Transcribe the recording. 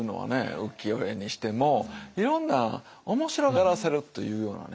浮世絵にしてもいろんな面白がらせるというようなね。